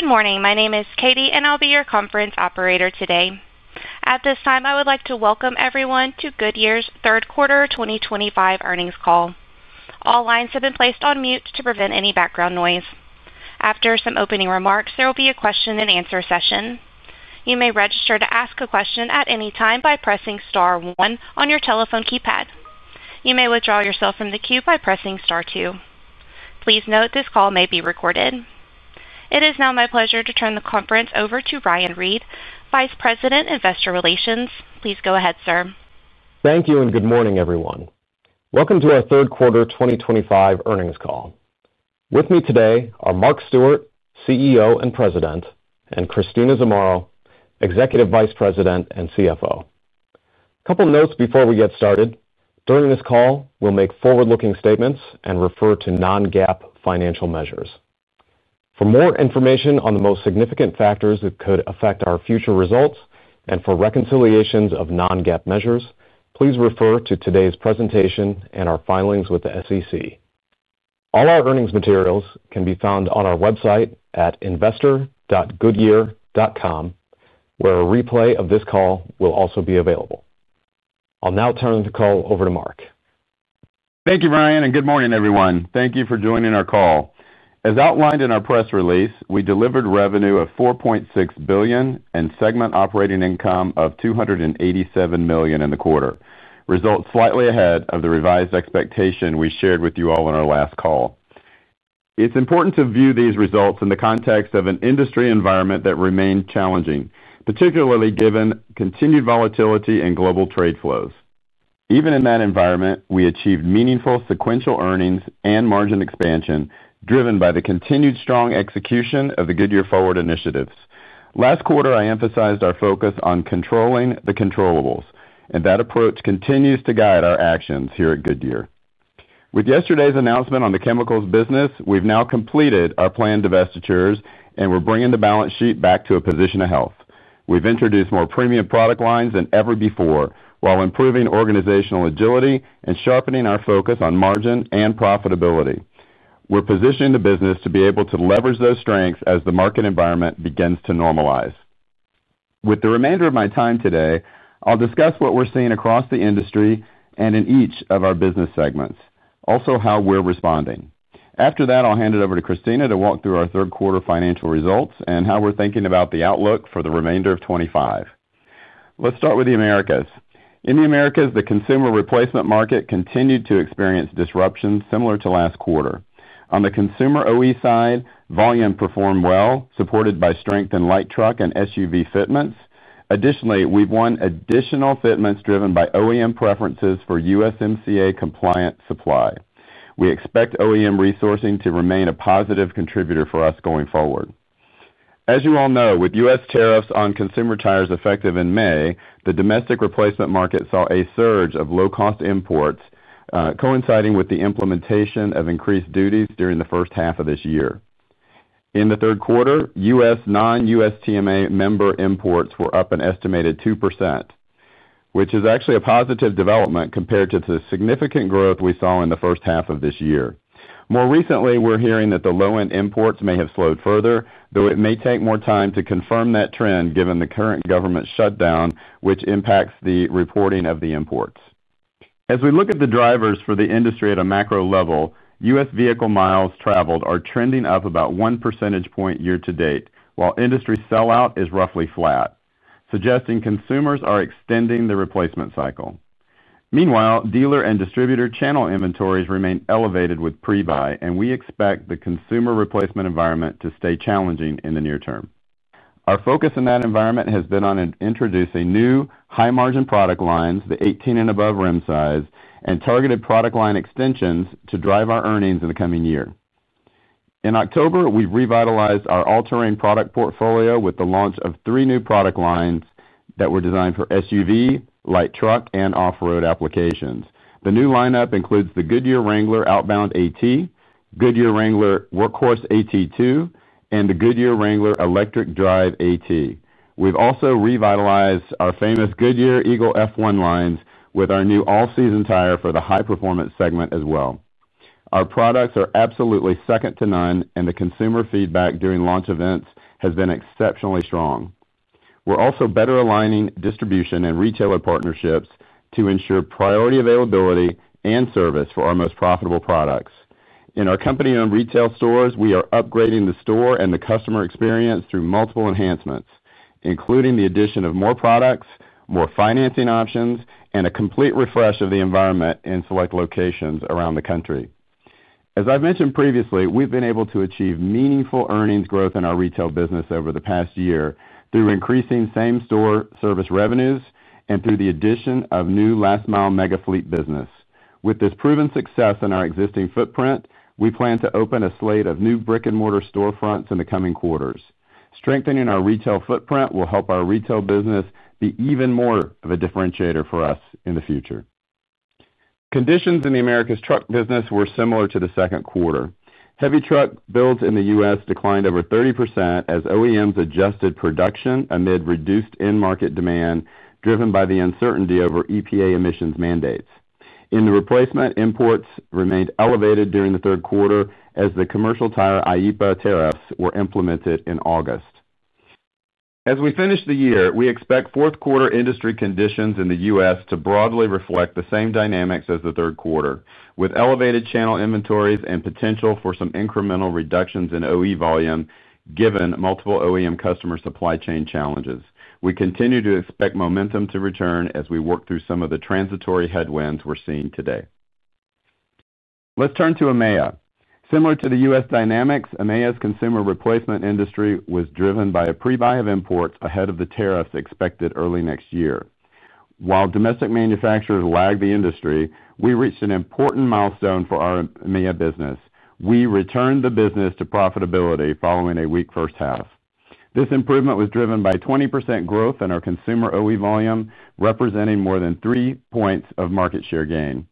Good morning. My name is Katie, and I'll be your conference operator today. At this time, I would like to welcome everyone to Goodyear's third quarter 2025 earnings call. All lines have been placed on mute to prevent any background noise. After some opening remarks, there will be a question-and-answer session. You may register to ask a question at any time by pressing *1 on your telephone keypad. You may withdraw yourself from the queue by pressing *2. Please note this call may be recorded. It is now my pleasure to turn the conference over to Ryan Reed, Vice President, Investor Relations. Please go ahead, sir. Thank you, and good morning, everyone. Welcome to our third quarter 2025 earnings call. With me today are Mark Stewart, CEO and President, and Christina Zamarro, Executive Vice President and CFO. A couple of notes before we get started. During this call, we'll make forward-looking statements and refer to non-GAAP financial measures. For more information on the most significant factors that could affect our future results and for reconciliations of non-GAAP measures, please refer to today's presentation and our filings with the SEC. All our earnings materials can be found on our website at investor.goodyear.com, where a replay of this call will also be available. I'll now turn the call over to Mark. Thank you, Ryan, and good morning, everyone. Thank you for joining our call. As outlined in our press release, we delivered revenue of $4.6 billion and segment operating income of $287 million in the quarter, results slightly ahead of the revised expectation we shared with you all in our last call. It's important to view these results in the context of an industry environment that remained challenging, particularly given continued volatility and global trade flows. Even in that environment, we achieved meaningful sequential earnings and margin expansion driven by the continued strong execution of the Goodyear Forward initiatives. Last quarter, I emphasized our focus on controlling the controllables, and that approach continues to guide our actions here at Goodyear. With yesterday's announcement on the chemicals business, we've now completed our planned divestitures, and we're bringing the balance sheet back to a position of health. We've introduced more premium product lines than ever before while improving organizational agility and sharpening our focus on margin and profitability. We're positioning the business to be able to leverage those strengths as the market environment begins to normalize. With the remainder of my time today, I'll discuss what we're seeing across the industry and in each of our business segments, also how we're responding. After that, I'll hand it over to Christina to walk through our third quarter financial results and how we're thinking about the outlook for the remainder of 2025. Let's start with the Americas. In the Americas, the consumer replacement market continued to experience disruptions similar to last quarter. On the consumer OE side, volume performed well, supported by strength in light truck and SUV fitments. Additionally, we've won additional fitments driven by OEM preferences for USMCA-compliant supply. We expect OEM resourcing to remain a positive contributor for us going forward. As you all know, with U.S. tariffs on consumer tires effective in May, the domestic replacement market saw a surge of low-cost imports, coinciding with the implementation of increased duties during the first half of this year. In the third quarter, U.S. non-USTMA member imports were up an estimated 2%, which is actually a positive development compared to the significant growth we saw in the first half of this year. More recently, we're hearing that the low-end imports may have slowed further, though it may take more time to confirm that trend given the current government shutdown, which impacts the reporting of the imports. As we look at the drivers for the industry at a macro level, U.S. vehicle miles traveled are trending up about one percentage point year to date, while industry sell-out is roughly flat, suggesting consumers are extending the replacement cycle. Meanwhile, dealer and distributor channel inventories remain elevated with pre-buy, and we expect the consumer replacement environment to stay challenging in the near term. Our focus in that environment has been on introducing new high-margin product lines, the 18 and above rim size, and targeted product line extensions to drive our earnings in the coming year. In October, we've revitalized our all-terrain product portfolio with the launch of three new product lines that were designed for SUV, light truck, and off-road applications. The new lineup includes the Goodyear Wrangler Outbound AT, Goodyear Wrangler Workhorse AT2, and the Goodyear Wrangler Electric Drive AT. We've also revitalized our famous Goodyear Eagle F1 lines with our new all-season tire for the high-performance segment as well. Our products are absolutely second to none, and the consumer feedback during launch events has been exceptionally strong. We're also better aligning distribution and retailer partnerships to ensure priority availability and service for our most profitable products. In our company-owned retail stores, we are upgrading the store and the customer experience through multiple enhancements, including the addition of more products, more financing options, and a complete refresh of the environment in select locations around the country. As I've mentioned previously, we've been able to achieve meaningful earnings growth in our retail business over the past year through increasing same-store service revenues and through the addition of new last-mile mega fleet business. With this proven success in our existing footprint, we plan to open a slate of new brick-and-mortar storefronts in the coming quarters. Strengthening our retail footprint will help our retail business be even more of a differentiator for us in the future. Conditions in the Americas truck business were similar to the second quarter. Heavy truck builds in the U.S. declined over 30% as OEMs adjusted production amid reduced in-market demand driven by the uncertainty over EPA emissions mandates. In the replacement, imports remained elevated during the third quarter as the commercial tire IEEPA tariffs were implemented in August. As we finish the year, we expect fourth-quarter industry conditions in the U.S. to broadly reflect the same dynamics as the third quarter, with elevated channel inventories and potential for some incremental reductions in OE volume given multiple OEM customer supply chain challenges. We continue to expect momentum to return as we work through some of the transitory headwinds we're seeing today. Let's turn to EMEA. Similar to the U.S. dynamics, EMEA's consumer replacement industry was driven by a pre-buy of imports ahead of the tariffs expected early next year. While domestic manufacturers lag the industry, we reached an important milestone for our EMEA business. We returned the business to profitability following a weak first half. This improvement was driven by 20% growth in our consumer OE volume, representing more than three points of market share gain.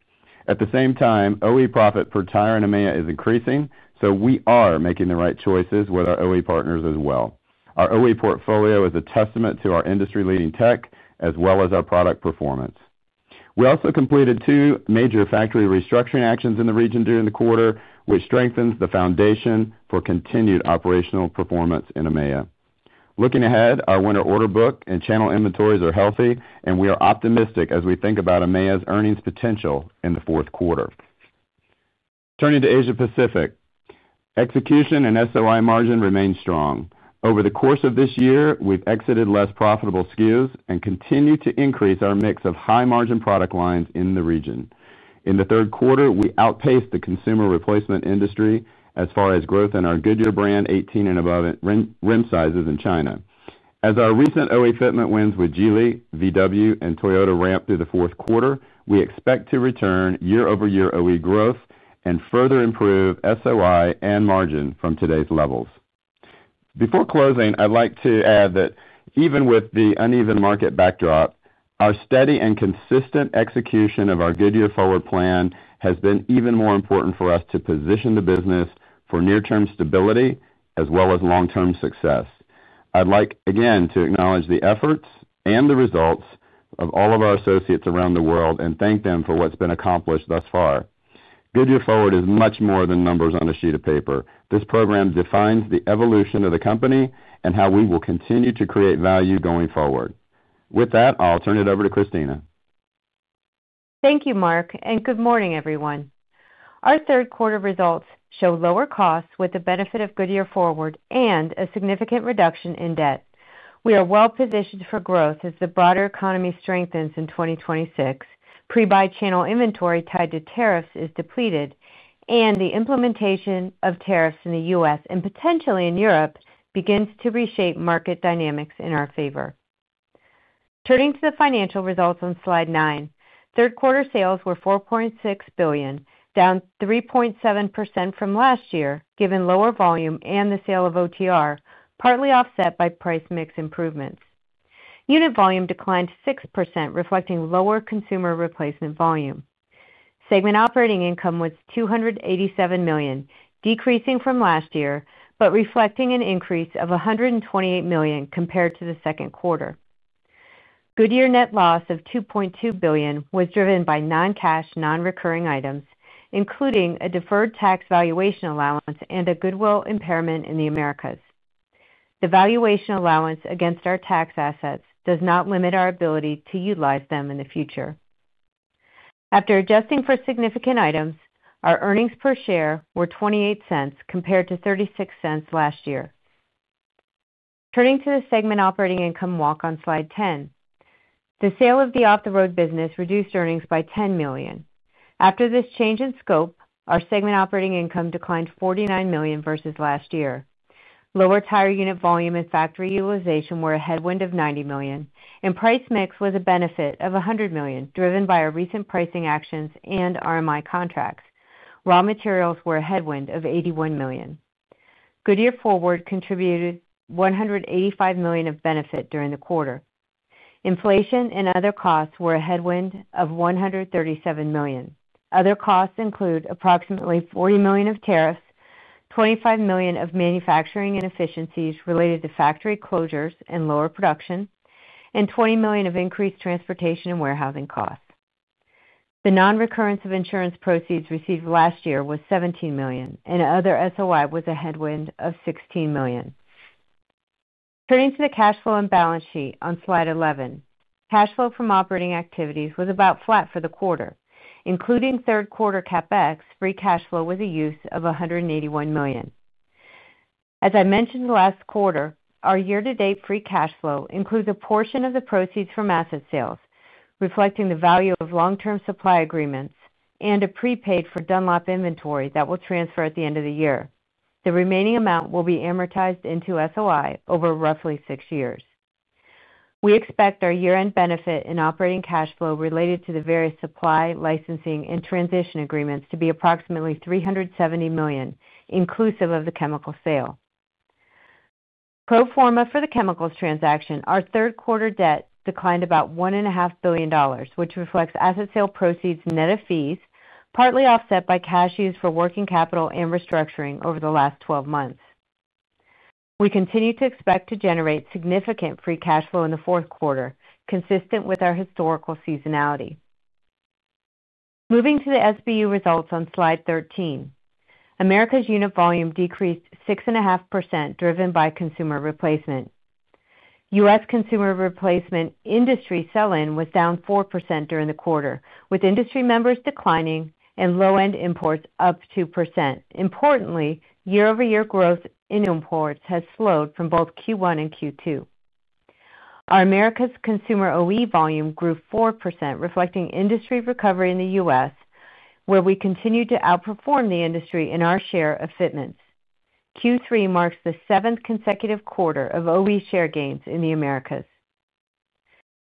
At the same time, OE profit for tire and EMEA is increasing, so we are making the right choices with our OE partners as well. Our OE portfolio is a testament to our industry-leading tech as well as our product performance. We also completed two major factory restructuring actions in the region during the quarter, which strengthens the foundation for continued operational performance in EMEA. Looking ahead, our winter order book and channel inventories are healthy, and we are optimistic as we think about EMEA's earnings potential in the fourth quarter. Turning to Asia-Pacific. Execution and SOI margin remain strong. Over the course of this year, we've exited less profitable SKUs and continued to increase our mix of high-margin product lines in the region. In the third quarter, we outpaced the consumer replacement industry as far as growth in our Goodyear brand 18 and above rim sizes in China. As our recent OE fitment wins with Geely, VW, and Toyota ramp through the fourth quarter, we expect to return year-over-year OE growth and further improve SOI and margin from today's levels. Before closing, I'd like to add that even with the uneven market backdrop, our steady and consistent execution of our Goodyear Forward plan has been even more important for us to position the business for near-term stability as well as long-term success. I'd like, again, to acknowledge the efforts and the results of all of our associates around the world and thank them for what's been accomplished thus far. Goodyear Forward is much more than numbers on a sheet of paper. This program defines the evolution of the company and how we will continue to create value going forward. With that, I'll turn it over to Christina. Thank you, Mark, and good morning, everyone. Our third-quarter results show lower costs with the benefit of Goodyear Forward and a significant reduction in debt. We are well-positioned for growth as the broader economy strengthens in 2026. Pre-buy channel inventory tied to tariffs is depleted, and the implementation of tariffs in the U.S. and potentially in Europe begins to reshape market dynamics in our favor. Turning to the financial results on slide nine, third-quarter sales were $4.6 billion, down 3.7% from last year given lower volume and the sale of OTR, partly offset by price mix improvements. Unit volume declined 6%, reflecting lower consumer replacement volume. Segment operating income was $287 million, decreasing from last year but reflecting an increase of $128 million compared to the second quarter. Goodyear net loss of $2.2 billion was driven by non-cash, non-recurring items, including a deferred tax valuation allowance and a goodwill impairment in the Americas. The valuation allowance against our tax assets does not limit our ability to utilize them in the future. After adjusting for significant items, our earnings per share were $0.28 compared to $0.36 last year. Turning to the segment operating income walk on slide 10. The sale of the off-the-road business reduced earnings by $10 million. After this change in scope, our segment operating income declined $49 million versus last year. Lower tire unit volume and factory utilization were a headwind of $90 million, and price mix was a benefit of $100 million driven by our recent pricing actions and RMI contracts. Raw materials were a headwind of $81 million. Goodyear Forward contributed $185 million of benefit during the quarter. Inflation and other costs were a headwind of $137 million. Other costs include approximately $40 million of tariffs, $25 million of manufacturing inefficiencies related to factory closures and lower production, and $20 million of increased transportation and warehousing costs. The non-recurrence of insurance proceeds received last year was $17 million, and other SOI was a headwind of $16 million. Turning to the cash flow and balance sheet on slide 11, cash flow from operating activities was about flat for the quarter. Including third-quarter CapEx, free cash flow was a use of $181 million. As I mentioned last quarter, our year-to-date free cash flow includes a portion of the proceeds from asset sales, reflecting the value of long-term supply agreements and a prepaid for Dunlop inventory that will transfer at the end of the year. The remaining amount will be amortized into SOI over roughly six years. We expect our year-end benefit in operating cash flow related to the various supply, licensing, and transition agreements to be approximately $370 million, inclusive of the chemical sale. Pro forma for the chemicals transaction, our third-quarter debt declined about $1.5 billion, which reflects asset sale proceeds and net of fees, partly offset by cash used for working capital and restructuring over the last 12 months. We continue to expect to generate significant free cash flow in the fourth quarter, consistent with our historical seasonality. Moving to the SBU results on slide 13. Americas unit volume decreased 6.5%, driven by consumer replacement. US consumer replacement industry sell-in was down 4% during the quarter, with industry members declining and low-end imports up 2%. Importantly, year-over-year growth in imports has slowed from both Q1 and Q2. Our Americas consumer OE volume grew 4%, reflecting industry recovery in the US, where we continue to outperform the industry in our share of fitments. Q3 marks the seventh consecutive quarter of OE share gains in the Americas.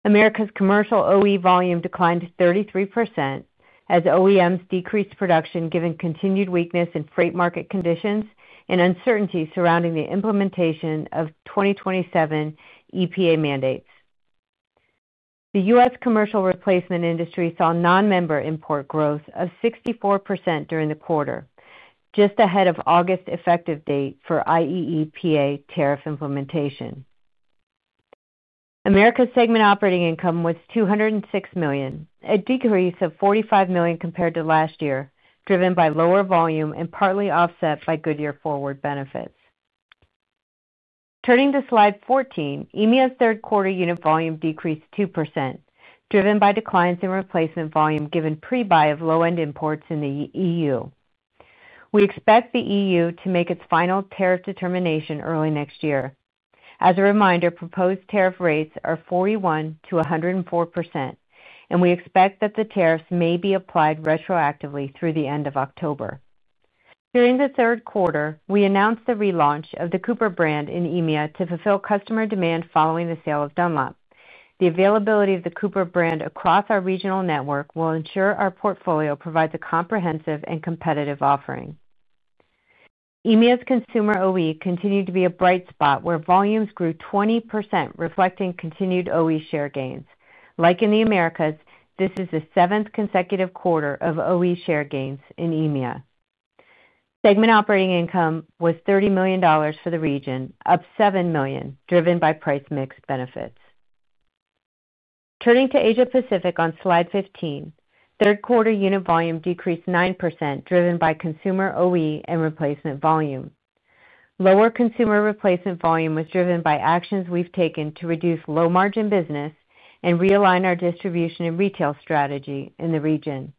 Americas commercial OE volume declined 33% as OEMs decreased production, given continued weakness in freight market conditions and uncertainty surrounding the implementation of 2027 EPA mandates. The US commercial replacement industry saw non-member import growth of 64% during the quarter, just ahead of August effective date for IEEPA tariff implementation. Americas segment operating income was $206 million, a decrease of $45 million compared to last year, driven by lower volume and partly offset by Goodyear Forward benefits. Turning to slide 14, EMEA's third-quarter unit volume decreased 2%, driven by declines in replacement volume given pre-buy of low-end imports in the EU. We expect the EU to make its final tariff determination early next year. As a reminder, proposed tariff rates are 41%-104%, and we expect that the tariffs may be applied retroactively through the end of October. During the third quarter, we announced the relaunch of the Cooper brand in EMEA to fulfill customer demand following the sale of Dunlop. The availability of the Cooper brand across our regional network will ensure our portfolio provides a comprehensive and competitive offering. EMEA's consumer OE continued to be a bright spot where volumes grew 20%, reflecting continued OE share gains. Like in the Americas, this is the seventh consecutive quarter of OE share gains in EMEA. Segment operating income was $30 million for the region, up $7 million, driven by price mix benefits. Turning to Asia-Pacific on slide 15, third-quarter unit volume decreased 9%, driven by consumer OE and replacement volume. Lower consumer replacement volume was driven by actions we've taken to reduce low-margin business and realign our distribution and retail strategy in the region.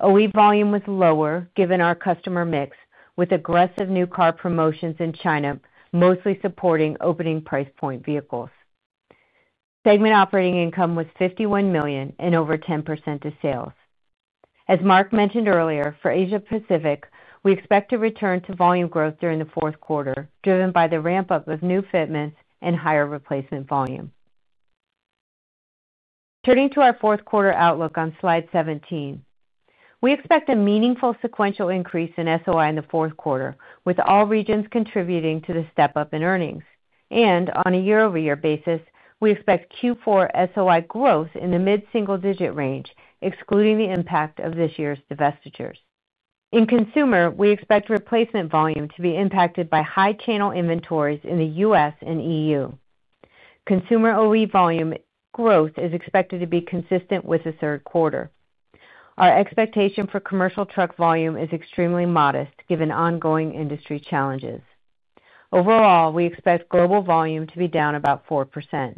OE volume was lower given our customer mix, with aggressive new car promotions in China mostly supporting opening price point vehicles. Segment operating income was $51 million and over 10% of sales. As Mark mentioned earlier, for Asia-Pacific, we expect to return to volume growth during the fourth quarter, driven by the ramp-up of new fitments and higher replacement volume. Turning to our fourth-quarter outlook on slide 17. We expect a meaningful sequential increase in SOI in the fourth quarter, with all regions contributing to the step-up in earnings and on a year-over-year basis, we expect Q4 SOI growth in the mid-single-digit range, excluding the impact of this year's divestitures. In consumer, we expect replacement volume to be impacted by high-channel inventories in the U.S. and EU. Consumer OE volume growth is expected to be consistent with the third quarter. Our expectation for commercial truck volume is extremely modest given ongoing industry challenges. Overall, we expect global volume to be down about 4%.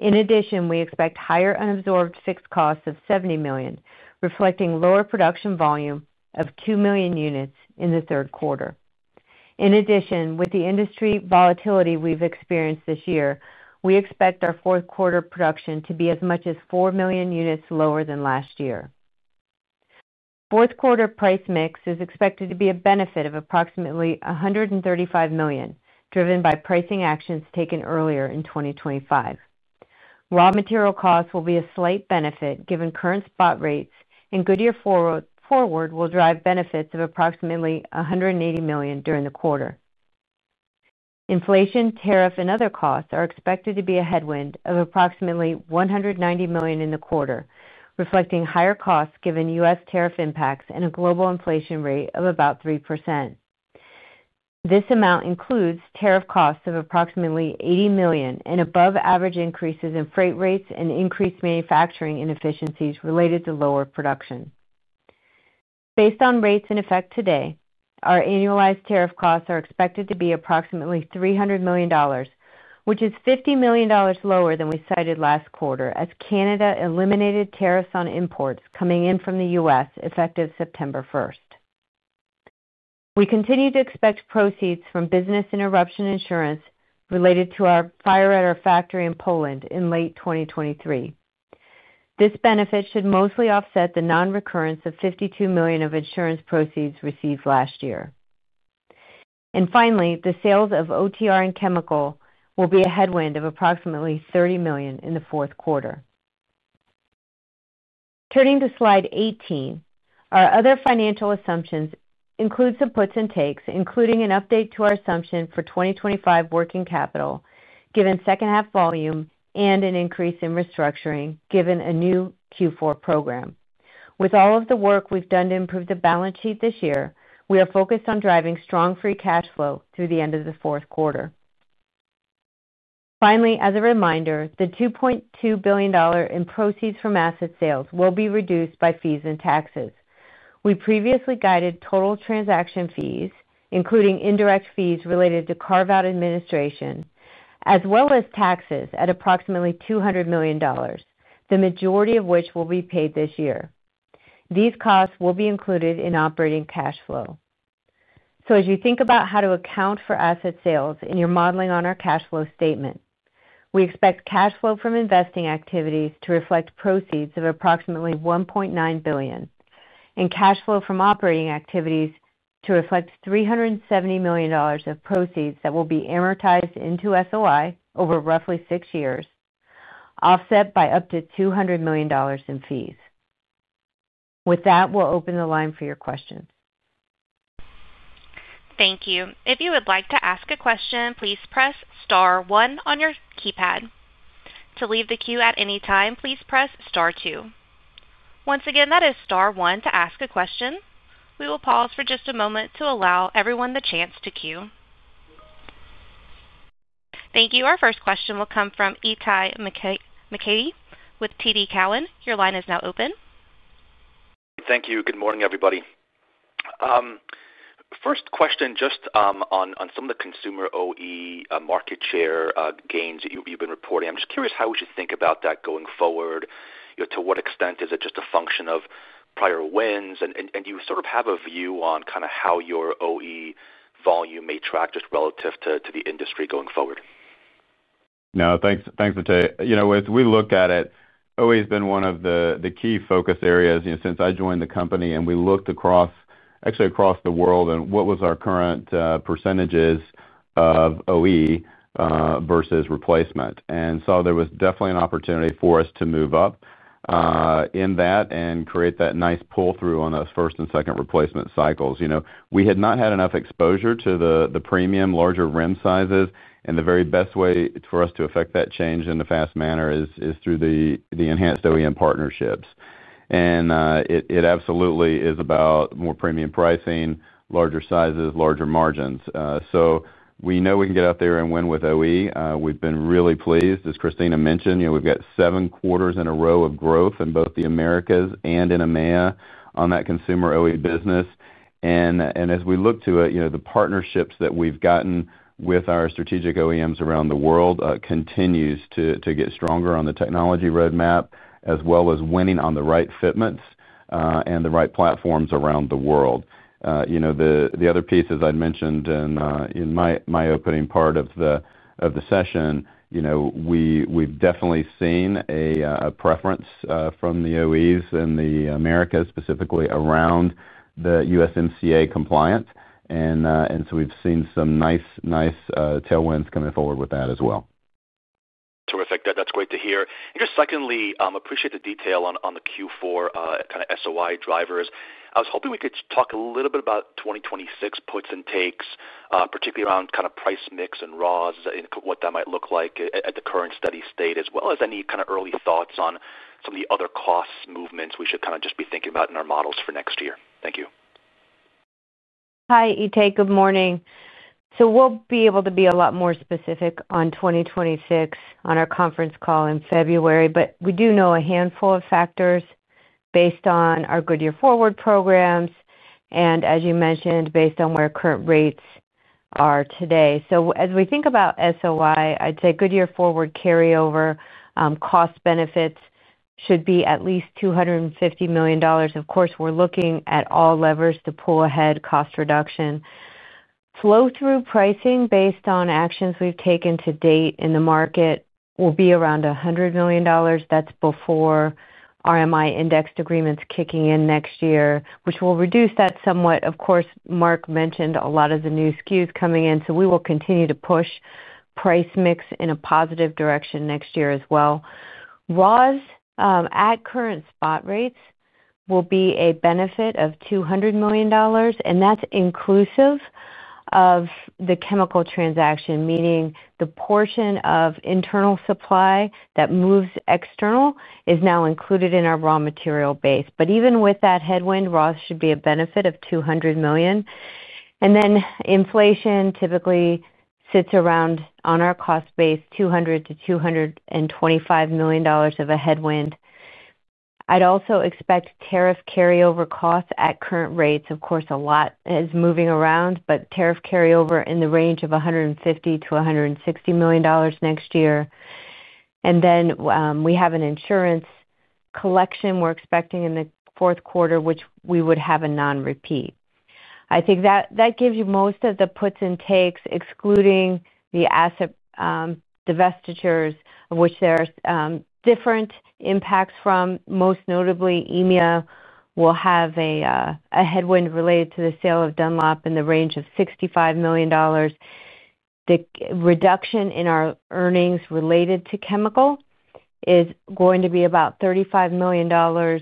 In addition, we expect higher unabsorbed fixed costs of $70 million, reflecting lower production volume of 2 million units in the third quarter. In addition, with the industry volatility we've experienced this year, we expect our fourth-quarter production to be as much as 4 million units lower than last year. Fourth-quarter price mix is expected to be a benefit of approximately $135 million, driven by pricing actions taken earlier in 2025. Raw material costs will be a slight benefit given current spot rates, and Goodyear Forward will drive benefits of approximately $180 million during the quarter. Inflation, tariff, and other costs are expected to be a headwind of approximately $190 million in the quarter, reflecting higher costs given US tariff impacts and a global inflation rate of about 3%. This amount includes tariff costs of approximately $80 million and above-average increases in freight rates and increased manufacturing inefficiencies related to lower production. Based on rates in effect today, our annualized tariff costs are expected to be approximately $300 million, which is $50 million lower than we cited last quarter as Canada eliminated tariffs on imports coming in from the US effective September 1st. We continue to expect proceeds from business interruption insurance related to our fire at our factory in Poland in late 2023. This benefit should mostly offset the non-recurrence of $52 million of insurance proceeds received last year. And finally, the sales of OTR and chemical will be a headwind of approximately $30 million in the fourth quarter. Turning to slide 18, our other financial assumptions include some puts and takes, including an update to our assumption for 2025 working capital, given second-half volume and an increase in restructuring given a new Q4 program. With all of the work we've done to improve the balance sheet this year, we are focused on driving strong free cash flow through the end of the fourth quarter. Finally, as a reminder, the $2.2 billion in proceeds from asset sales will be reduced by fees and taxes. We previously guided total transaction fees, including indirect fees related to carve-out administration, as well as taxes at approximately $200 million, the majority of which will be paid this year. These costs will be included in operating cash flow. So as you think about how to account for asset sales in your modeling on our cash flow statement, we expect cash flow from investing activities to reflect proceeds of approximately $1.9 billion, and cash flow from operating activities to reflect $370 million of proceeds that will be amortized into SOI over roughly six years, offset by up to $200 million in fees. With that, we'll open the line for your questions. Thank you. If you would like to ask a question, please press *1 on your keypad. To leave the queue at any time, please press *2. Once again, that is *1 to ask a question. We will pause for just a moment to allow everyone the chance to queue. Thank you. Our first question will come from Itay Michaeli with TD Cowen. Your line is now open. Thank you. Good morning, everybody. First question, just on some of the consumer OE market share gains that you've been reporting. I'm just curious, how would you think about that going forward? To what extent is it just a function of prior wins? And do you sort of have a view on kind of how your OE volume may track just relative to the industry going forward? No, thanks, Itay. As we look at it, OE has been one of the key focus areas since I joined the company, and we looked actually across the world and what was our current percentages of OE versus replacement. And so there was definitely an opportunity for us to move up in that and create that nice pull-through on those first and second replacement cycles. We had not had enough exposure to the premium larger rim sizes, and the very best way for us to affect that change in a fast manner is through the enhanced OEM partnerships. And it absolutely is about more premium pricing, larger sizes, larger margins. So we know we can get out there and win with OE. We've been really pleased, as Christina mentioned. We've got seven quarters in a row of growth in both the Americas and in EMEA on that consumer OE business. And as we look to it, the partnerships that we've gotten with our strategic OEMs around the world continue to get stronger on the technology roadmap, as well as winning on the right fitments and the right platforms around the world. The other piece, as I'd mentioned in my opening part of the session. We've definitely seen a preference from the OEs in the Americas, specifically around the USMCA compliance. And so we've seen some nice tailwinds coming forward with that as well. Terrific. That's great to hear. Secondly, I appreciate the detail on the Q4 kind of SOI drivers. I was hoping we could talk a little bit about 2026 puts and takes, particularly around kind of price mix and ROS and what that might look like at the current steady state, as well as any kind of early thoughts on some of the other cost movements we should kind of just be thinking about in our models for next year. Thank you. Hi, Itay. Good morning. So we'll be able to be a lot more specific on 2026 on our conference call in February, but we do know a handful of factors based on our Goodyear Forward programs and, as you mentioned, based on where current rates are today. So as we think about SOI, I'd say Goodyear Forward carryover, cost benefits should be at least $250 million. Of course, we're looking at all levers to pull ahead cost reduction. Flow-through pricing based on actions we've taken to date in the market will be around $100 million. That's before RMI indexed agreements kicking in next year, which will reduce that somewhat. Of course, Mark mentioned a lot of the new SKUs coming in, so we will continue to push price mix in a positive direction next year as well. ROS at current spot rates will be a benefit of $200 million, and that's inclusive of the chemical transaction, meaning the portion of internal supply that moves external is now included in our raw material base. But even with that headwind, ROS should be a benefit of $200 million. And then inflation typically sits around on our cost base, $200-$225 million of a headwind. I'd also expect tariff carryover costs at current rates. Of course, a lot is moving around, but tariff carryover in the range of $150-$160 million next year. And then we have an insurance collection we're expecting in the fourth quarter, which we would have a non-repeat. I think that gives you most of the puts and takes, excluding the asset divestitures, which there are different impacts from. Most notably, EMEA will have a headwind related to the sale of Dunlop in the range of $65 million. The reduction in our earnings related to chemical is going to be about $35 million.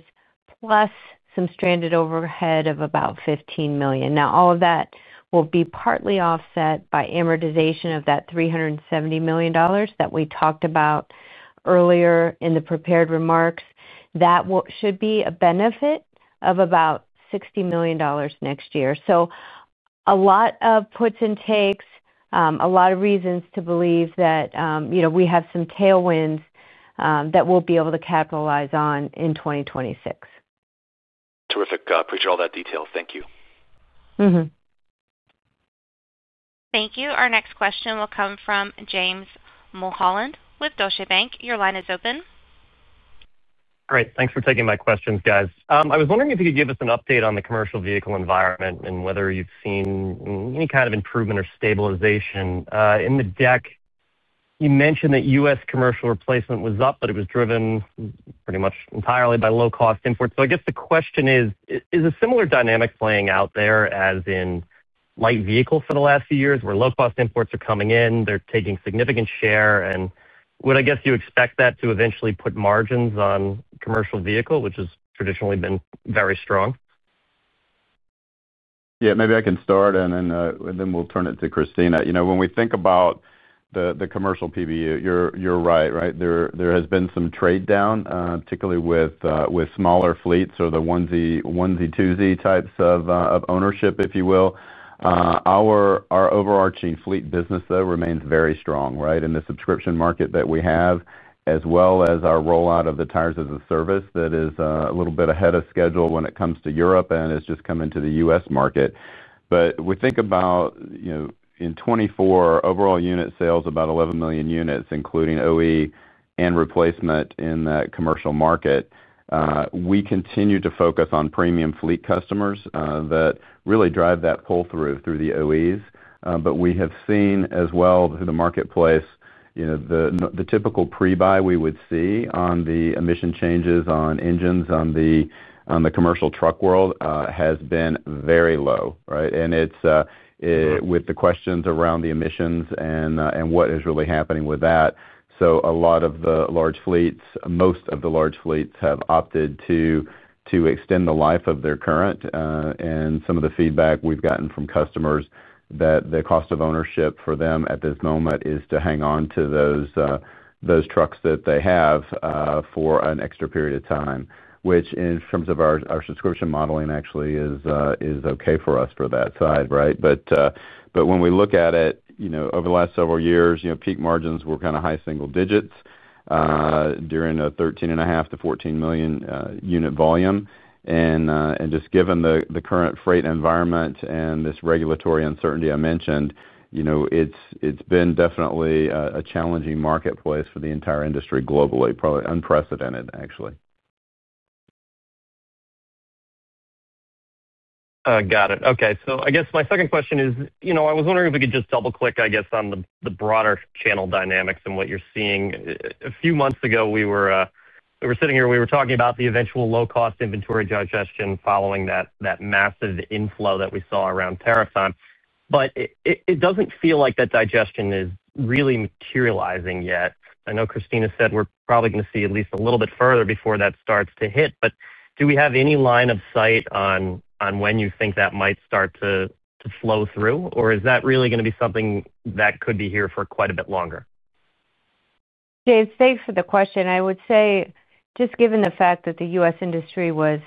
Plus some stranded overhead of about $15 million. Now, all of that will be partly offset by amortization of that $370 million that we talked about earlier in the prepared remarks. That should be a benefit of about $60 million next year. So a lot of puts and takes, a lot of reasons to believe that we have some tailwinds that we'll be able to capitalize on in 2026. Terrific. Appreciate all that detail. Thank you. Thank you. Our next question will come from James Mulholland with Deutsche Bank. Your line is open. Great. Thanks for taking my questions, guys. I was wondering if you could give us an update on the commercial vehicle environment and whether you've seen any kind of improvement or stabilization. In the deck, you mentioned that U.S. commercial replacement was up, but it was driven pretty much entirely by low-cost imports. So I guess the question is, is a similar dynamic playing out there as in light vehicles for the last few years where low-cost imports are coming in? They're taking significant share. And would, I guess, you expect that to eventually put margins on commercial vehicle, which has traditionally been very strong? Yeah, maybe I can start, and then we'll turn it to Christina. When we think about the commercial PBU, you're right, right? There has been some trade down, particularly with smaller fleets or the 1Z, 2Z types of ownership, if you will. Our overarching fleet business, though, remains very strong, right, in the subscription market that we have, as well as our rollout of the tires as a service that is a little bit ahead of schedule when it comes to Europe and is just coming to the US market. But we think about in 2024, overall unit sales, about 11 million units, including OE and replacement in that commercial market. We continue to focus on premium fleet customers that really drive that pull-through through the OEs. But we have seen as well through the marketplace the typical pre-buy we would see on the emission changes on engines on the commercial truck world has been very low, right? And it's with the questions around the emissions and what is really happening with that. So a lot of the large fleets, most of the large fleets have opted to extend the life of their current and some of the feedback we've gotten from customers that the cost of ownership for them at this moment is to hang on to those trucks that they have for an extra period of time, which in terms of our subscription modeling actually is okay for us for that side, right? But when we look at it, over the last several years, peak margins were kind of high single digits during a 13.5-14 million unit volume. And just given the current freight environment and this regulatory uncertainty I mentioned it's been definitely a challenging marketplace for the entire industry globally, probably unprecedented, actually. Got it. Okay. So I guess my second question is, I was wondering if we could just double-click, I guess, on the broader channel dynamics and what you're seeing. A few months ago, we were sitting here, we were talking about the eventual low-cost inventory digestion following that massive inflow that we saw around tariff time. But it doesn't feel like that digestion is really materializing yet. I know Christina said we're probably going to see at least a little bit further before that starts to hit. But do we have any line of sight on when you think that might start to flow through? Or is that really going to be something that could be here for quite a bit longer? James, thanks for the question. I would say just given the fact that the U.S. industry was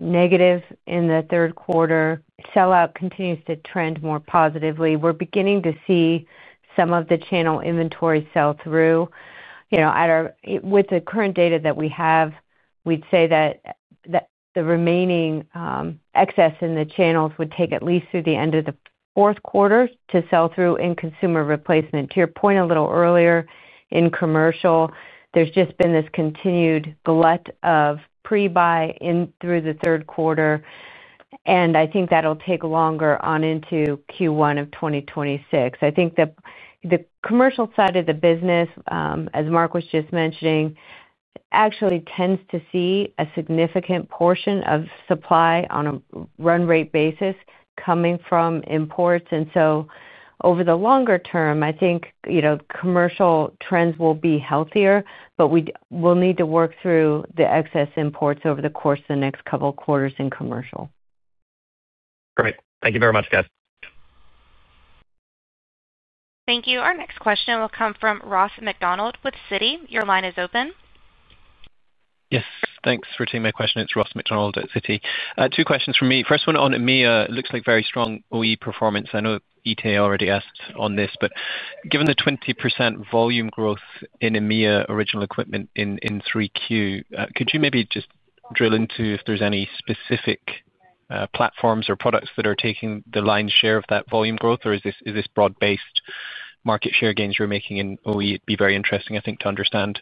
negative in the third quarter, sellout continues to trend more positively. We're beginning to see some of the channel inventory sell through. With the current data that we have, we'd say that the remaining excess in the channels would take at least through the end of the fourth quarter to sell through in consumer replacement. To your point a little earlier, in commercial, there's just been this continued glut of pre-buying through the third quarter, and I think that'll take longer on into Q1 of 2026. I think the commercial side of the business, as Mark was just mentioning, actually tends to see a significant portion of supply on a run-rate basis coming from imports, and so over the longer term, I think commercial trends will be healthier, but we'll need to work through the excess imports over the course of the next couple of quarters in commercial. Great. Thank you very much, guys. Thank you. Our next question will come from Ross McDonald with Citi. Your line is open. Yes. Thanks for taking my question. It's Ross McDonald at Citi. Two questions for me. First one on EMEA, it looks like very strong OE performance. I know Itay already asked on this, but given the 20% volume growth in EMEA original equipment in 3Q, could you maybe just drill into if there's any specific platforms or products that are taking the lion's share of that volume growth, or is this broad-based market share gains you're making in OE? It'd be very interesting, I think, to understand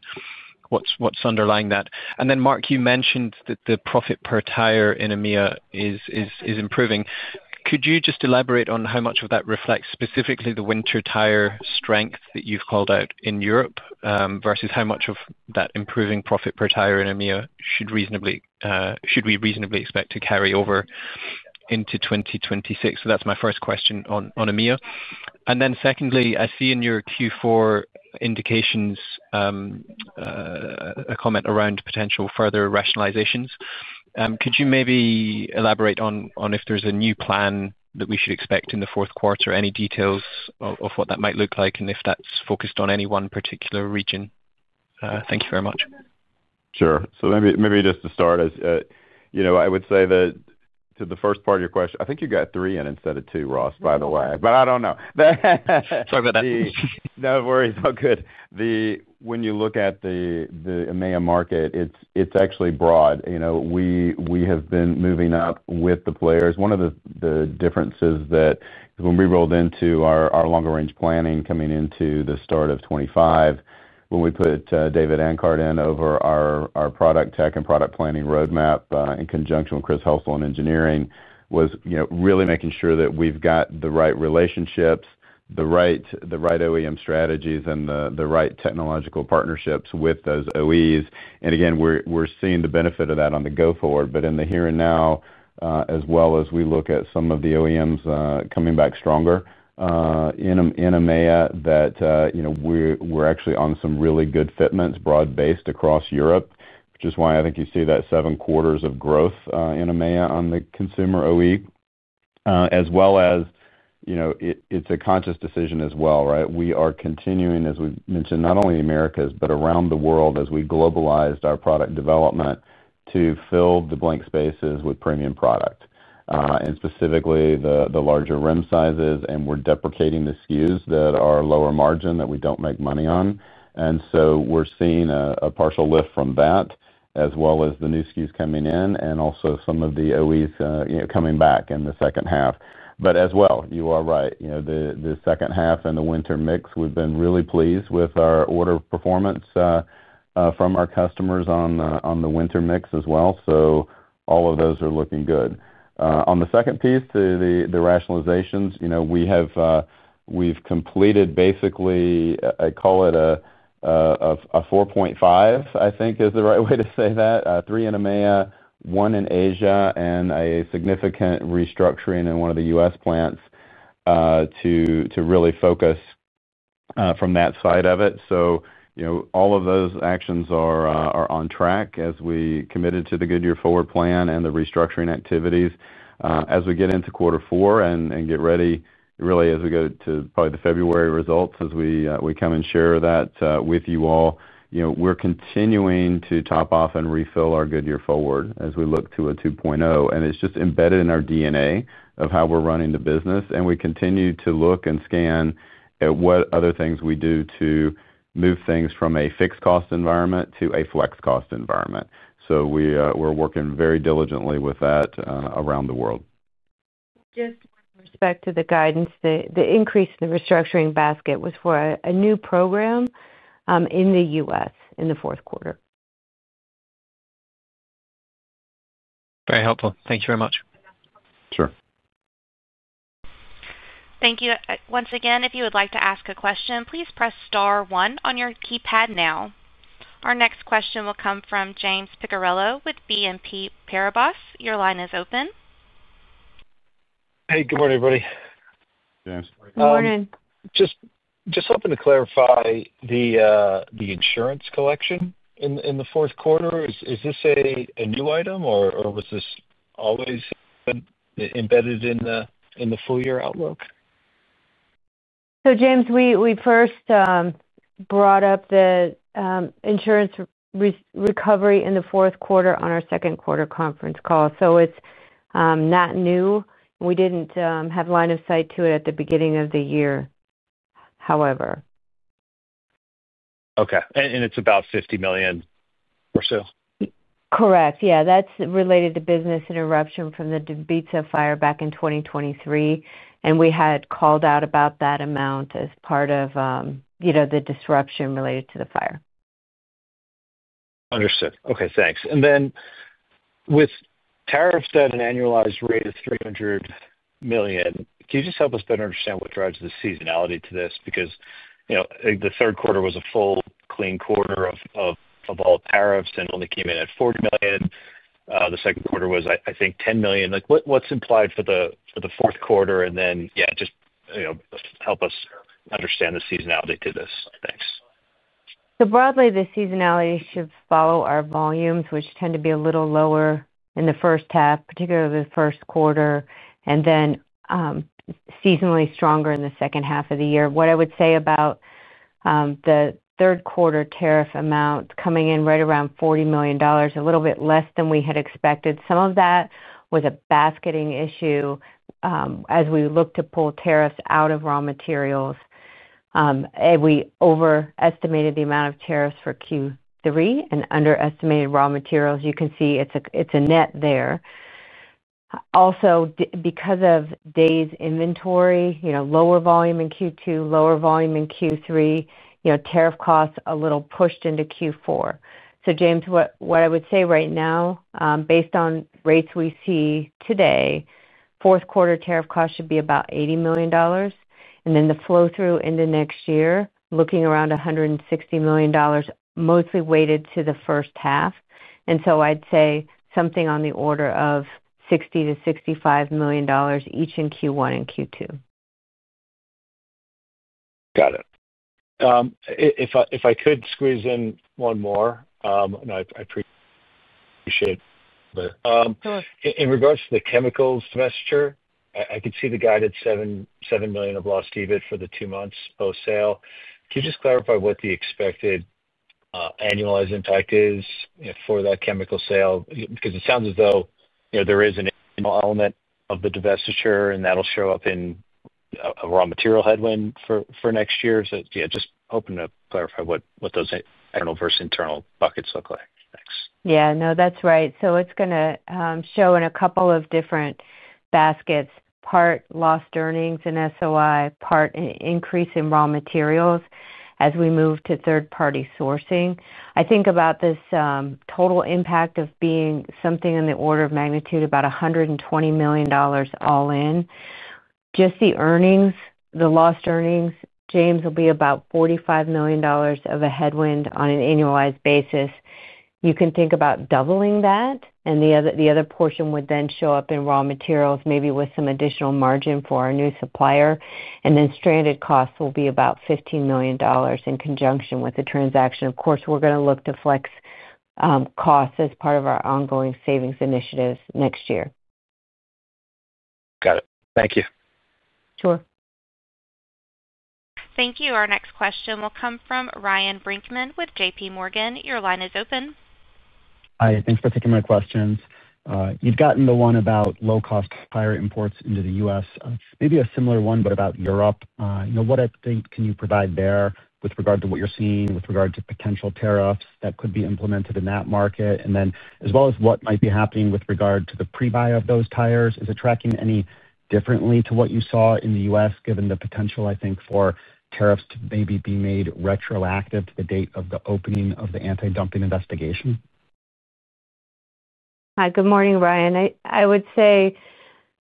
what's underlying that. And then, Mark, you mentioned that the profit per tire in EMEA is improving. Could you just elaborate on how much of that reflects specifically the winter tire strength that you've called out in Europe versus how much of that improving profit per tire in EMEA should we reasonably expect to carry over into 2026? So that's my first question on EMEA. And then secondly, I see in your Q4 indications a comment around potential further rationalizations. Could you maybe elaborate on if there's a new plan that we should expect in the fourth quarter, any details of what that might look like, and if that's focused on any one particular region? Thank you very much. Sure. So maybe just to start. I would say that to the first part of your question, I think you got three in instead of two, Ross, by the way. But I don't know. Sorry about that. No worries. All good. When you look at the EMEA market, it's actually broad. We have been moving up with the players. One of the differences that when we rolled into our longer-range planning coming into the start of 2025, when we put David Ancard in over our product tech and product planning roadmap in conjunction with Chris Hulsell in engineering, was really making sure that we've got the right relationships, the right OEM strategies, and the right technological partnerships with those OEs. And again, we're seeing the benefit of that on the go forward. But in the here and now, as well as we look at some of the OEMs coming back stronger in EMEA. We're actually on some really good fitments, broad-based across Europe, which is why I think you see that seven quarters of growth in EMEA on the consumer OE. As well as it's a conscious decision as well, right? We are continuing, as we mentioned, not only in the Americas, but around the world as we globalized our product development to fill the blank spaces with premium product. And specifically the larger rim sizes, and we're deprecating the SKUs that are lower margin that we don't make money on. And so we're seeing a partial lift from that, as well as the new SKUs coming in, and also some of the OEs coming back in the second half. But as well, you are right. The second half and the winter mix, we've been really pleased with our order performance from our customers on the winter mix as well. So all of those are looking good. On the second piece, the rationalizations, we've completed basically. I call it a 4.5, I think is the right way to say that, three in EMEA, one in Asia, and a significant restructuring in one of the US plants to really focus from that side of it. So all of those actions are on track as we committed to the Goodyear Forward plan and the restructuring activities. As we get into quarter four and get ready, really as we go to probably the February results, as we come and share that with you all, we're continuing to top off and refill our Goodyear Forward as we look to a 2.0. And it's just embedded in our DNA of how we're running the business. And we continue to look and scan at what other things we do to move things from a fixed cost environment to a flex cost environment. So we're working very diligently with that around the world. Just with respect to the guidance, the increase in the restructuring basket was for a new program. In the U.S. in the fourth quarter. Very helpful. Thank you very much. Sure. Thank you. Once again, if you would like to ask a question, please press *1 on your keypad now. Our next question will come from James Picariello with BNP Paribas. Your line is open. Hey, good morning, everybody. James. Good morning. Just hoping to clarify the insurance collection in the fourth quarter. Is this a new item, or was this always embedded in the full year outlook? So James, we first brought up the insurance recovery in the fourth quarter on our second quarter conference call. So it's not new. We didn't have line of sight to it at the beginning of the year, however. Okay. And it's about $50 million. Or so? Correct. Yeah. That's related to business interruption from the Dubuque fire back in 2023. And we had called out about that amount as part of the disruption related to the fire. Understood. Okay. Thanks. And then, with tariffs at an annualized rate of $300 million, can you just help us better understand what drives the seasonality to this? Because the third quarter was a full clean quarter of all tariffs and only came in at $40 million. The second quarter was, I think, $10 million. What's implied for the fourth quarter? And then, yeah, just help us understand the seasonality to this. Thanks. So broadly, the seasonality should follow our volumes, which tend to be a little lower in the first half, particularly the first quarter, and then seasonally stronger in the second half of the year. What I would say about the third quarter tariff amount coming in right around $40 million, a little bit less than we had expected. Some of that was a basketing issue as we look to pull tariffs out of raw materials. We overestimated the amount of tariffs for Q3 and underestimated raw materials. You can see it's a net there. Also, because of Dave's inventory, lower volume in Q2, lower volume in Q3, tariff costs a little pushed into Q4. So James, what I would say right now, based on rates we see today, fourth quarter tariff costs should be about $80 million. And then the flow through into next year, looking around $160 million, mostly weighted to the first half. And so I'd say something on the order of $60-$65 million each in Q1 and Q2. Got it. If I could squeeze in one more, and I appreciate. In regards to the chemicals segment, I could see the guided $7 million of lost EBIT for the two months post-sale. Can you just clarify what the expected annualized impact is for that chemicals sale? Because it sounds as though there is an element of the divestiture, and that'll show up in a raw material headwind for next year. So yeah, just hoping to clarify what those external versus internal buckets look like. Thanks. Yeah. No, that's right. So it's going to show in a couple of different baskets, part lost earnings in SOI, part an increase in raw materials as we move to third-party sourcing. I think about this total impact of being something in the order of magnitude about $120 million all in. Just the earnings, the lost earnings, James, will be about $45 million of a headwind on an annualized basis. You can think about doubling that. And the other portion would then show up in raw materials, maybe with some additional margin for our new supplier. And then stranded costs will be about $15 million in conjunction with the transaction. Of course, we're going to look to flex costs as part of our ongoing savings initiatives next year. Got it. Thank you. Sure. Thank you. Our next question will come from Ryan Brinkman with JPMorgan. Your line is open. Hi. Thanks for taking my questions. You've gotten the one about low-cost tire imports into the U.S., maybe a similar one, but about Europe. What can you provide there with regard to what you're seeing with regard to potential tariffs that could be implemented in that market? And then, as well as what might be happening with regard to the pre-buy of those tires, is it tracking any differently to what you saw in the U.S., given the potential, I think, for tariffs to maybe be made retroactive to the date of the opening of the anti-dumping investigation? Hi. Good morning, Ryan. I would say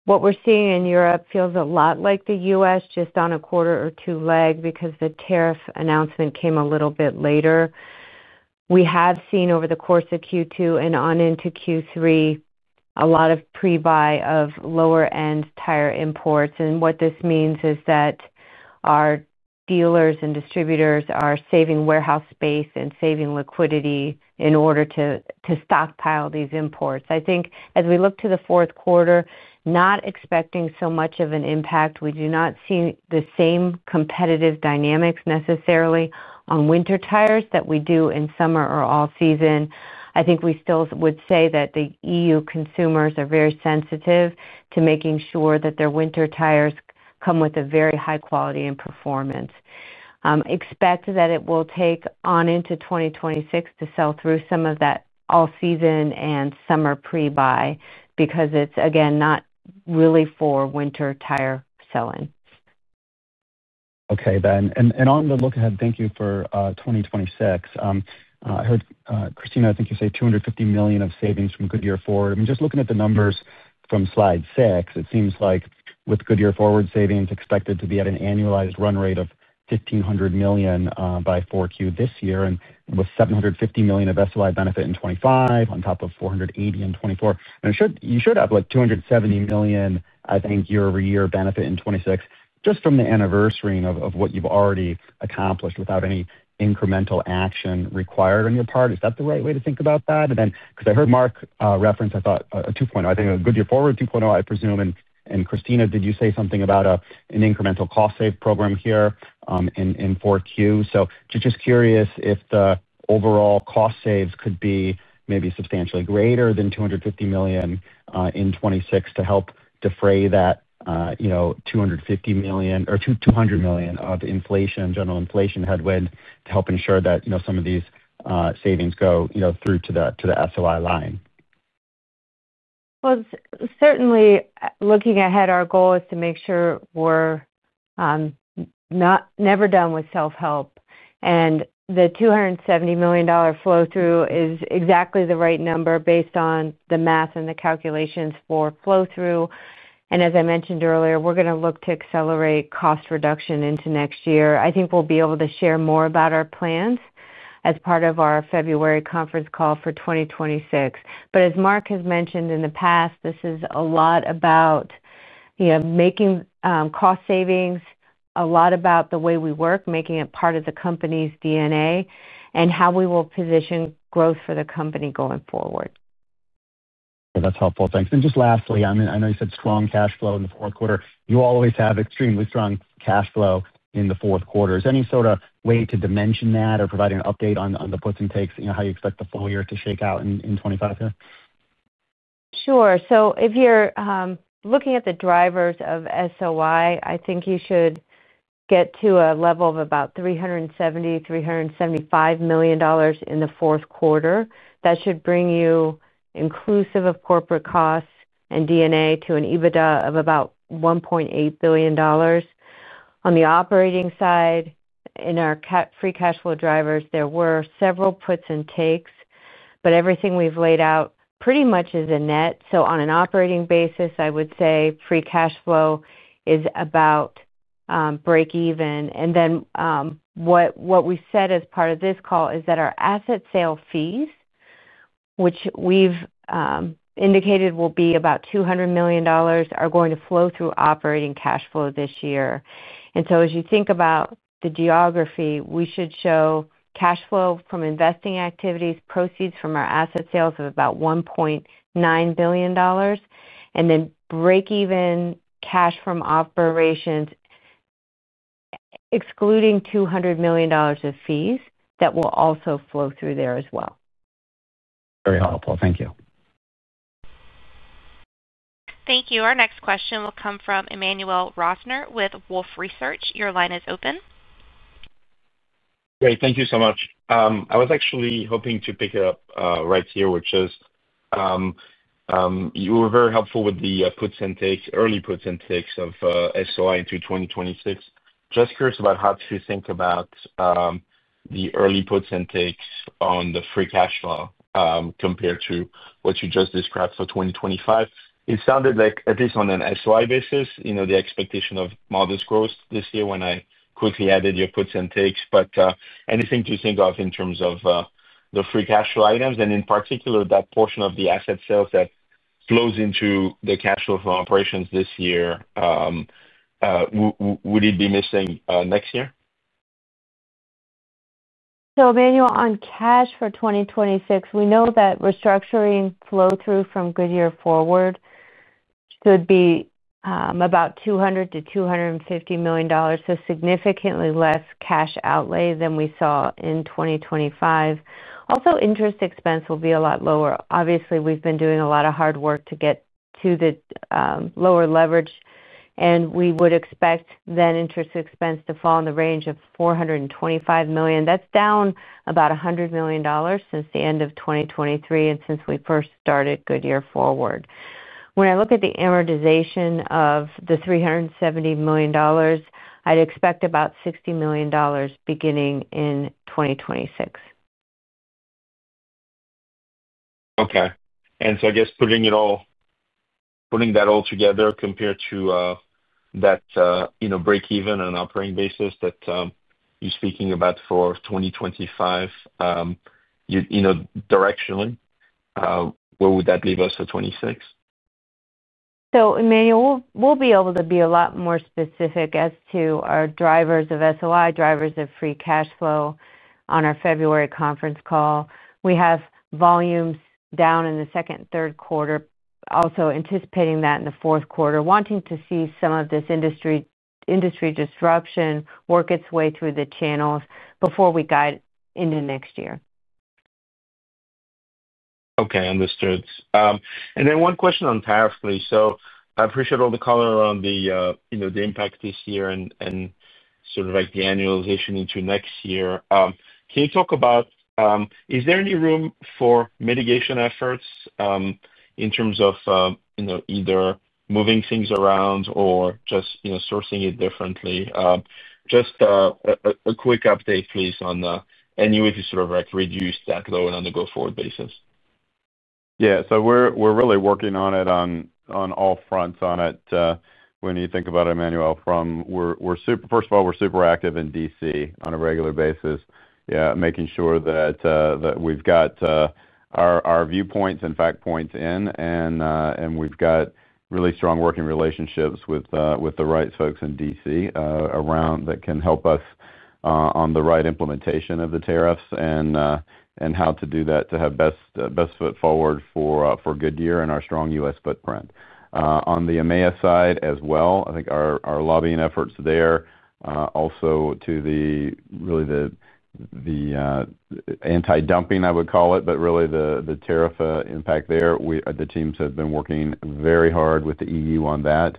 what we're seeing in Europe feels a lot like the U.S., just on a quarter or two lag because the tariff announcement came a little bit later. We have seen over the course of Q2 and on into Q3 a lot of pre-buy of lower-end tire imports. And what this means is that our dealers and distributors are saving warehouse space and saving liquidity in order to stockpile these imports. I think as we look to the fourth quarter, not expecting so much of an impact. We do not see the same competitive dynamics necessarily on winter tires that we do in summer or all season. I think we still would say that the EU consumers are very sensitive to making sure that their winter tires come with a very high quality and performance. Expect that it will take on into 2026 to sell through some of that all season and summer pre-buy because it's, again, not really for winter tire selling. Okay, then. And on the look ahead, thank you for 2026. I heard, Christina, I think you say $250 million of savings from Goodyear Forward. I mean, just looking at the numbers from slide six, it seems like with Goodyear Forward savings expected to be at an annualized run rate of $1.5 billion by 4Q this year, and with $750 million of SOI benefit in 2025 on top of $480 million in 2024. And you should have like $270 million, I think, year-over-year benefit in 2026, just from the anniversary of what you've already accomplished without any incremental action required on your part. Is that the right way to think about that? And then, because I heard Mark reference, I thought a 2.0, I think a Goodyear Forward 2.0, I presume. And Christina, did you say something about an incremental cost-save program here in 4Q? So just curious if the overall cost saves could be maybe substantially greater than $250 million in 2026 to help defray that $250 million or $200 million of inflation, general inflation headwind to help ensure that some of these savings go through to the SOI line? Well, certainly, looking ahead, our goal is to make sure we're never done with self-help, and the $270 million flow through is exactly the right number based on the math and the calculations for flow through, and as I mentioned earlier, we're going to look to accelerate cost reduction into next year. I think we'll be able to share more about our plans as part of our February conference call for 2026, but as Mark has mentioned in the past, this is a lot about making cost savings, a lot about the way we work, making it part of the company's DNA, and how we will position growth for the company going forward. That's helpful. Thanks. And just lastly, I mean, I know you said strong cash flow in the fourth quarter. You always have extremely strong cash flow in the fourth quarter. Is there any sort of way to dimension that or provide an update on the puts and takes, how you expect the full year to shake out in 2025 here? Sure. So if you're looking at the drivers of SOI, I think you should get to a level of about $370-$375 million in the fourth quarter. That should bring you inclusive of corporate costs and D&A to an EBITDA of about $1.8 billion. On the operating side, in our free cash flow drivers, there were several puts and takes, but everything we've laid out pretty much is a net. So on an operating basis, I would say free cash flow is about break even. And then what we said as part of this call is that our asset sale proceeds, which we've indicated will be about $200 million, are going to flow through operating cash flow this year. And so as you think about the arithmetic, we should show cash flow from investing activities, proceeds from our asset sales of about $1.9 billion, and then break even cash from operations. Excluding $200 million of proceeds that will also flow through there as well. Very helpful. Thank you. Thank you. Our next question will come from Emmanuel Rosner with Wolfe Research. Your line is open. Great. Thank you so much. I was actually hoping to pick it up right here, which is. You were very helpful with the early puts and takes of SOI into 2026. Just curious about how to think about the early puts and takes on the free cash flow compared to what you just described for 2025. It sounded like, at least on an SOI basis, the expectation of modest growth this year when I quickly added your puts and takes. But anything to think of in terms of the free cash flow items? And in particular, that portion of the asset sales that flows into the cash flow for operations this year. Would it be missing next year? Emmanuel, on cash for 2026, we know that restructuring flow through from Goodyear Forward. It should be about $200-$250 million, so significantly less cash outlay than we saw in 2025. Also, interest expense will be a lot lower. Obviously, we've been doing a lot of hard work to get to the lower leverage, and we would expect then interest expense to fall in the range of $425 million. That's down about $100 million since the end of 2023 and since we first started Goodyear Forward. When I look at the amortization of the $370 million, I'd expect about $60 million beginning in 2026. Okay. And so I guess putting that all together compared to that break even on an operating basis that you're speaking about for 2025. Directionally, where would that leave us for 2026? So Emmanuel, we'll be able to be a lot more specific as to our drivers of SOI, drivers of free cash flow on our February conference call. We have volumes down in the second and third quarter, also anticipating that in the fourth quarter, wanting to see some of this industry disruption work its way through the channels before we guide into next year. Okay. Understood. And then one question on tariff, please. So I appreciate all the color on the impact this year and sort of the annualization into next year. Can you talk about? Is there any room for mitigation efforts in terms of either moving things around or just sourcing it differently? Just a quick update, please, on any way to sort of reduce that load on the go-forward basis. Yeah. So we're really working on it on all fronts. When you think about it, Emmanuel, first of all, we're super active in DC on a regular basis, yeah, making sure that we've got our viewpoints and fact points in. And we've got really strong working relationships with the right folks in DC around that can help us on the right implementation of the tariffs and how to do that to have best foot forward for Goodyear and our strong US footprint. On the EMEA side, as well, I think our lobbying efforts there, also to really the anti-dumping, I would call it, but really the tariff impact there, the teams have been working very hard with the EU on that.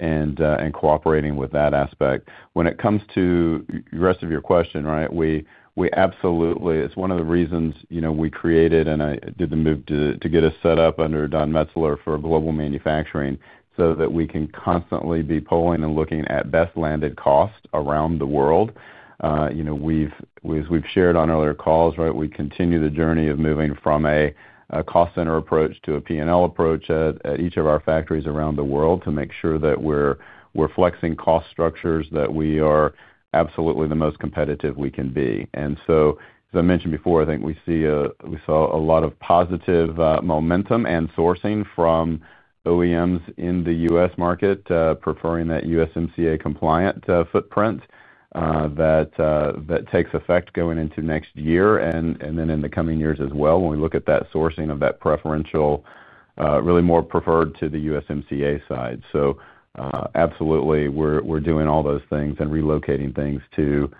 And cooperating with that aspect. When it comes to the rest of your question, right, it's one of the reasons we created and I did the move to get us set up under Don Metzler for global manufacturing so that we can constantly be pulling and looking at best landed costs around the world. As we've shared on earlier calls, right, we continue the journey of moving from a cost center approach to a P&L approach at each of our factories around the world to make sure that we're flexing cost structures that we are absolutely the most competitive we can be. And so, as I mentioned before, I think we saw a lot of positive momentum and sourcing from OEMs in the U.S. market preferring that USMCA compliant footprint that takes effect going into next year and then in the coming years as well when we look at that sourcing of that preferential really more preferred to the USMCA side. So absolutely, we're doing all those things and relocating things to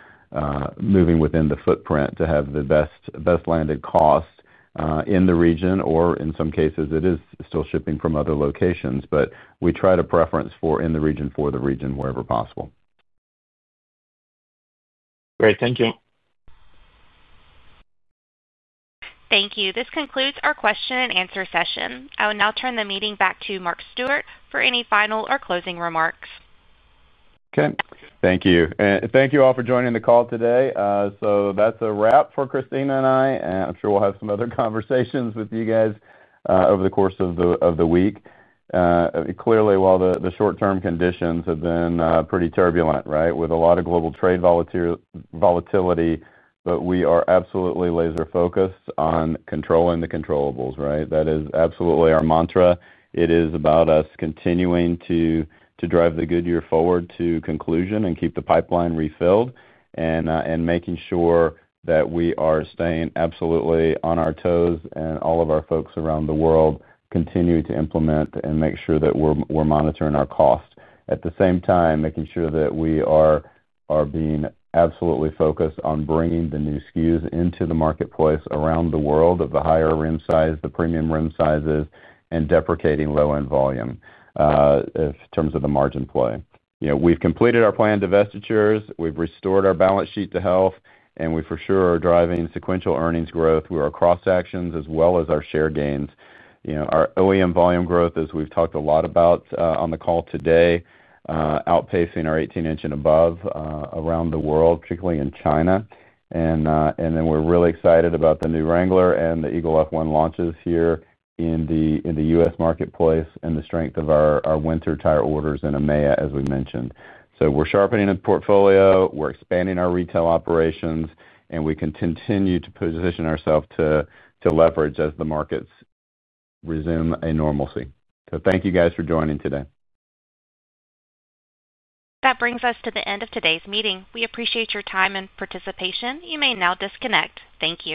moving within the footprint to have the best landed cost in the region, or in some cases, it is still shipping from other locations, but we try to preference for in the region for the region wherever possible. Great. Thank you. Thank you. This concludes our question and answer session. I will now turn the meeting back to Mark Stewart for any final or closing remarks. Okay. Thank you. And thank you all for joining the call today. So that's a wrap for Christina and I. And I'm sure we'll have some other conversations with you guys over the course of the week. Clearly, while the short-term conditions have been pretty turbulent, right, with a lot of global trade volatility, but we are absolutely laser-focused on controlling the controllables. Right? That is absolutely our mantra. It is about us continuing to drive the Goodyear Forward to conclusion and keep the pipeline refilled and making sure that we are staying absolutely on our toes and all of our folks around the world continue to implement and make sure that we're monitoring our cost. At the same time, making sure that we are being absolutely focused on bringing the new SKUs into the marketplace around the world of the higher rim size, the premium rim sizes, and deprecating low-end volume. In terms of the margin play. We've completed our planned divestitures. We've restored our balance sheet to health, and we for sure are driving sequential earnings growth with our cross-sections as well as our share gains. Our OEM volume growth, as we've talked a lot about on the call today, outpacing our 18-inch and above around the world, particularly in China. And then we're really excited about the new Wrangler and the Eagle F1 launches here in the U.S. marketplace and the strength of our winter tire orders in EMEA, as we mentioned. So we're sharpening the portfolio. We're expanding our retail operations, and we can continue to position ourselves to leverage as the markets resume a normalcy. So thank you guys for joining today. That brings us to the end of today's meeting. We appreciate your time and participation. You may now disconnect. Thank you.